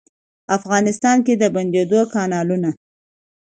افغانستان کې د بندونو، کانالونو.